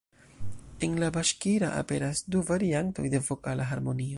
En la Baŝkira aperas du variantoj de vokala harmonio.